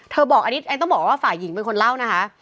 บอกอันนี้ต้องบอกว่าฝ่ายหญิงเป็นคนเล่านะคะ